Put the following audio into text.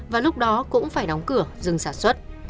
và lúc đó cũng phải đóng cửa dừng sản xuất